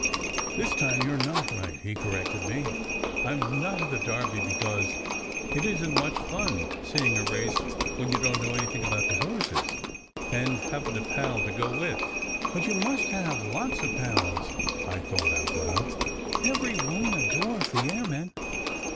"This time you re not right," he corrected me. "I m not at the Derby because it isn t much fun seeing a race 19 20 SECRET HISTORY when you don t know anything about the horses, and haven t a pal to go with." " But you must have lots of pals," I thought out aloud. "Every one adores the airmen."